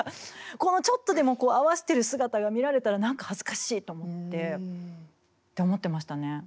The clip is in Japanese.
このちょっとでも合わせてる姿が見られたら何か恥ずかしいと思ってましたね。